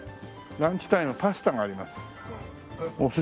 ランチタイムパスタがあります